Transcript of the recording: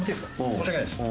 申し訳ないです。